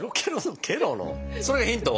それヒント？